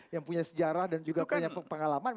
yang punya sejarah dan juga punya pengalaman